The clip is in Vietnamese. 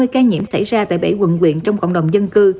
hai mươi ca nhiễm xảy ra tại bảy quận quyện trong cộng đồng dân cư